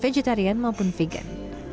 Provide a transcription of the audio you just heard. vegetarian maupun vegan